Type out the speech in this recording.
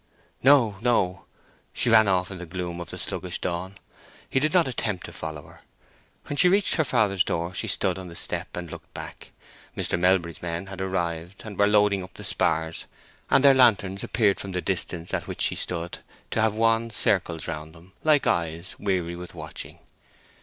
"No, no!" She ran off into the gloom of the sluggish dawn. He did not attempt to follow her. When she reached her father's door she stood on the step and looked back. Mr. Melbury's men had arrived, and were loading up the spars, and their lanterns appeared from the distance at which she stood to have wan circles round them, like eyes weary with watching.